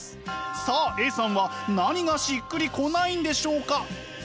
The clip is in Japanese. さあＡさんは何がしっくりこないんでしょうか？